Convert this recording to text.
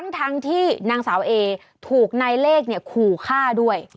ทั้งที่นางสาวเอถูกนายเลขขู่ฆ่าด้วย